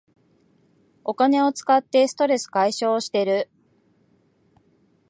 お金を使ってストレス解消してる